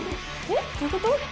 えっどういうこと？